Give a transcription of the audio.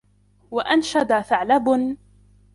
وَأَنْشَدَ ثَعْلَبٌ